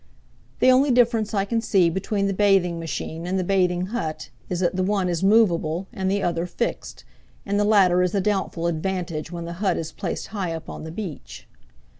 The only difference I can see between the bathing machine and the bathing hut is that the one is movable and the other fixed, and the latter is a doubtful advantage when the hut is placed high up on the beach.